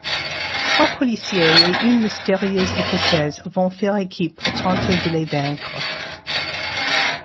Trois policiers et une mystérieuse Écossaise vont faire équipe pour tenter de les vaincre.